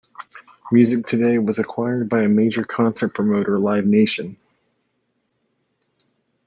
Musictoday was acquired by major concert promoter Live Nation.